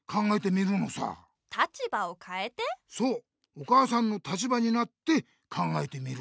お母さんの立場になって考えてみる。